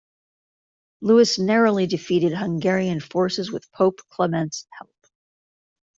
Louis narrowly defeated Hungarian forces with Pope Clement's help.